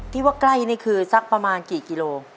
ที่ว่าใกล้นี่คือสักประมาณกี่กิโล